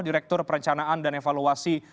direktur perencanaan dan evaluasi